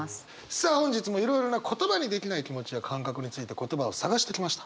さあ本日もいろいろな言葉にできない気持ちや感覚について言葉を探してきました。